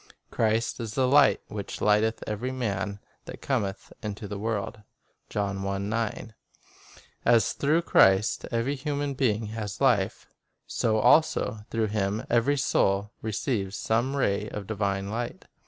Christ is the "Light, which lighteth every man that cometh into the world." 1 As through Christ every human being has life, so also through Him every soul receives some ray of divine light.